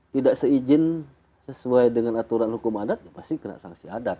tidak seizin sesuai dengan aturan hukum adat pasti kena sanksi adat